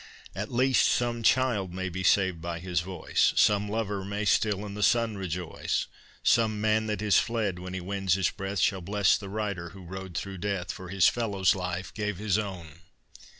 At least, some child may be saved by his voice, Some lover may still in the sun rejoice, Some man that has fled, when he wins his breath, Shall bless the rider who rode thro' death, For his fellows' life gave his own.